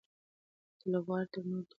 دا لوبغاړی تر نورو ټولو لوبغاړو ډېر ګړندی دی.